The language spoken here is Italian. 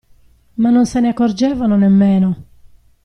Ma non se ne accorgevano né meno.